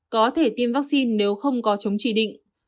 có thể tiêm vaccine nếu không có chống chỉ định